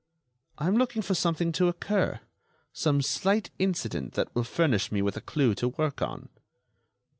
"I am looking for something to occur; some slight incident that will furnish me with a clue to work on."